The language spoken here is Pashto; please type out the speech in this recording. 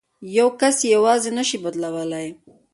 یو کس یې یوازې نه شي بدلولای.